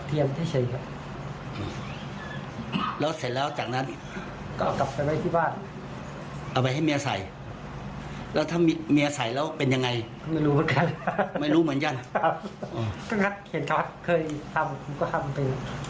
เพราะฉะนั้นเขียนชาวที่เคยทำก็ทำเป็น